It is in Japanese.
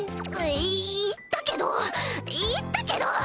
いいい言ったけど言ったけど！